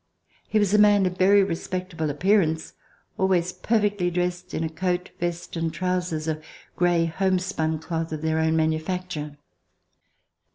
He was a man of very respectable appearance, always perfectly dressed in a coat, vest and trousers of gray homespun cloth oi their own manufacture.